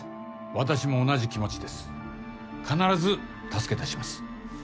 私も同じ気持ちです必ず助け出します。